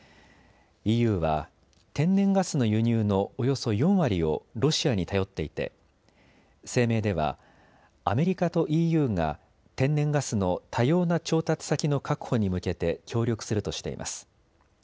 ＥＵは天然ガスの輸入のおよそ４割をロシアに頼っていて、声明ではアメリカとＥＵが天然ガスの多様な調達先の確保に向けて協力するとしています。